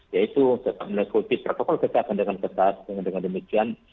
yaitu melakukan protokol kesehatan dengan keterangan dengan demikian